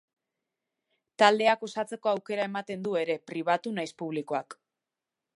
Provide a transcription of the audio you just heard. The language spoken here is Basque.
Taldeak osatzeko aukera ematen du ere, pribatu naiz publikoak.